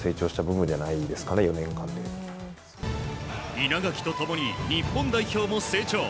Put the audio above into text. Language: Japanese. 稲垣と共に日本代表も成長。